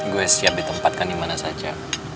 gue siap ditempatkan dimana saja